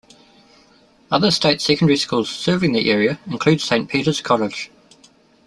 Other State secondary schools serving the area include Saint Peter's College.